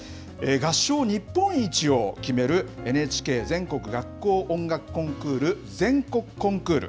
合唱日本一を決める、ＮＨＫ全国学校音楽コンクール全国コンクール。